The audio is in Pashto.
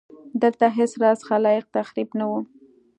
دلته هېڅ راز خلاق تخریب نه و.